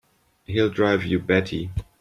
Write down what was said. He'll drive you batty!